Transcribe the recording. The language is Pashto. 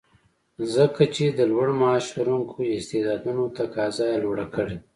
ځکه چې د لوړ معاش لرونکو استعدادونو تقاضا یې لوړه کړې